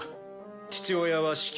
父親は死去。